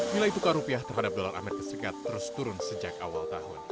nilai tukar rupiah terhadap dolar as terus turun sejak awal tahun